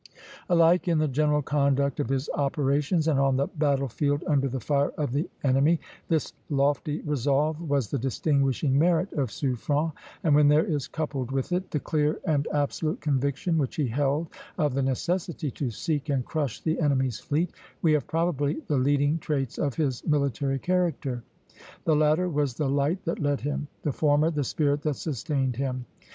Alike in the general conduct of his operations and on the battlefield under the fire of the enemy, this lofty resolve was the distinguishing merit of Suffren; and when there is coupled with it the clear and absolute conviction which he held of the necessity to seek and crush the enemy's fleet, we have probably the leading traits of his military character. The latter was the light that led him, the former the spirit that sustained him.